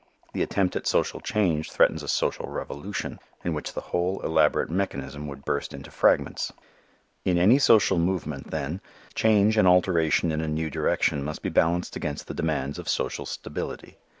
The attempt at social change threatens a social revolution in which the whole elaborate mechanism would burst into fragments. In any social movement, then, change and alteration in a new direction must be balanced against the demands of social stability.